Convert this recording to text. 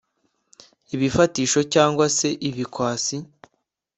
ibifatisho cg se ibikwasi